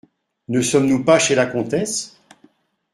Ne sommes-nous pas chez la comtesse ?